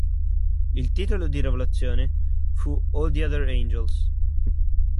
Il titolo di lavorazione fu "All the Other Angels".